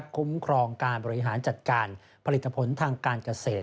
คุ้มครองการบริหารจัดการผลิตผลทางการเกษตร